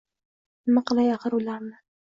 Nima qilay axir, ularni